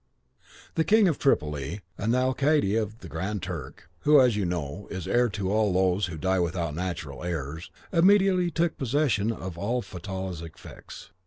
"The king of Tripoli, and the alcayde of the Grand Turk, who, as you know, is heir to all those who die without natural heirs, immediately took possession of all Fatallah's effects.